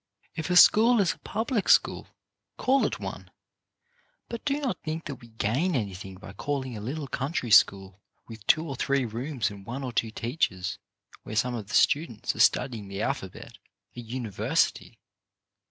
If a school is a public school, call it one ; but do not think that we gain anything by calling a little country school, with two or three rooms and one or two teachers, where some of the students are studying the alphabet, a university.